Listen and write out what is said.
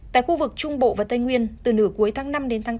tại khu vực trung bộ và tây nguyên từ nửa cuối tháng năm đến tháng chín